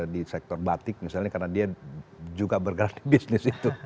di sektor batik misalnya karena dia juga bergerak di bisnis itu